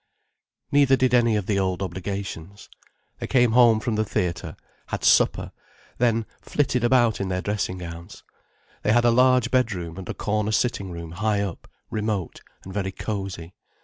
Neither did any of the old obligations. They came home from the theatre, had supper, then flitted about in their dressing gowns. They had a large bedroom and a corner sitting room high up, remote and very cosy.